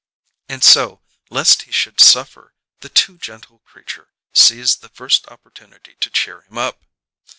And so, lest he should suffer, the too gentle creature seized the first opportunity to cheer him up.